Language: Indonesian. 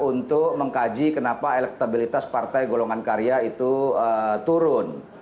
untuk mengkaji kenapa elektabilitas partai golongan karya itu turun